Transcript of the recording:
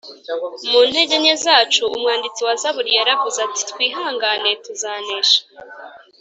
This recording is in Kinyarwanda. Mu intege nke zacu Umwanditsi wa zaburi yaravuze ati twihangane tuzanesha